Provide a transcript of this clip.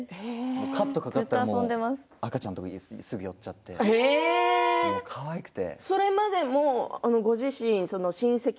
カットがかかっても赤ちゃんのところに行ったりしてかわいくて。